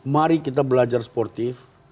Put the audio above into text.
mari kita belajar sportif